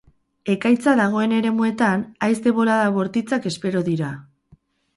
Ekaitza dagoen eremuetan, haize bolada bortitzak espero dira.